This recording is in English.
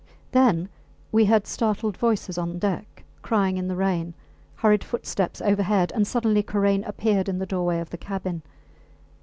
Then we heard startled voices on deck crying in the rain, hurried footsteps overhead, and suddenly Karain appeared in the doorway of the cabin.